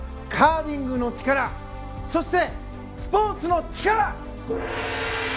カーリングの力そして、スポーツの力！